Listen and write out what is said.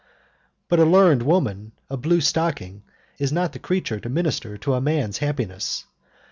But a learned woman, a blue stocking, is not the creature to minister to a man's happiness.